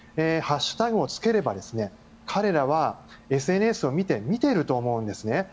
ハッシュタグをつければ彼らはＳＮＳを見ていると思うんです。